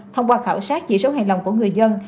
thông qua khảo sát chỉ số hài lòng của người dân